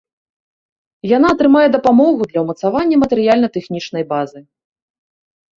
Яна атрымае дапамогу для ўмацавання матэрыяльна-тэхнічнай базы.